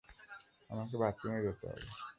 আমাকে বাথরুমে যেতে হবে!